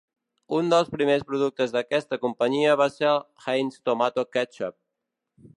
Un dels primers productes d'aquesta companyia va ser el Heinz Tomato Ketchup.